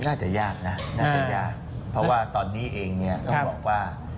น่าจะยากนะน่าจะยากเพราะว่าตอนนี้เองเนี่ยต้องบอกว่า